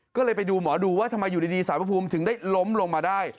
ก็เลยไปดูหมอดูว่าทำไมอยู่ดีสารพระภูมิถึงได้ล้มลงมาได้